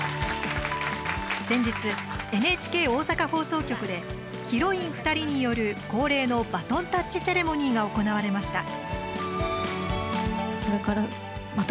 先日、ＮＨＫ大阪放送局でヒロイン２人による恒例のバトンタッチセレモニーが行われました。